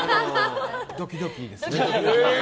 ドキドキですね。